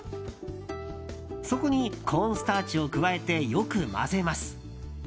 そこにコーンスターチを加えてよく混ぜます。